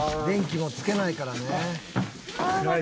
電気もつけないからね。